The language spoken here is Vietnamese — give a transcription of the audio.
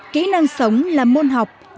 kỹ năng sống là môn học